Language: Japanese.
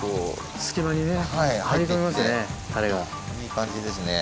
いい感じですね。